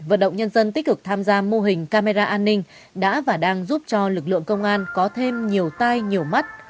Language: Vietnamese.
vận động nhân dân tích cực tham gia mô hình camera an ninh đã và đang giúp cho lực lượng công an có thêm nhiều tai nhiều mắt